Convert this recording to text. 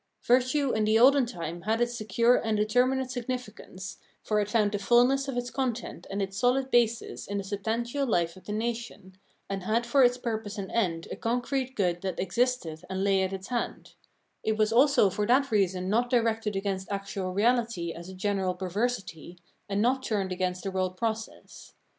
Virtue in the olden time had its secure and determin ate significance, for it found the fullness of its content and its soHd basis in the substantial life of the nation, and had for its purpose and end a concrete good that 378 Phenomenology of Mind existed and lay at its hand : it was also for that reason not directed against actual reality as a general perver sity, and not turned against a world process.